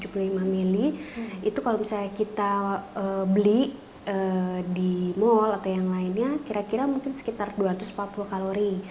sekitar empat ratus lima puluh empat ratus tujuh puluh lima mili itu kalau misalnya kita beli di mall atau yang lainnya kira kira mungkin sekitar dua ratus empat puluh kalori